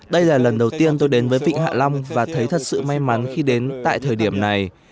đây là lần đầu tiên tôi đến với vịnh hạ long và thấy thật sự may mắn khi đến tại thời điểm này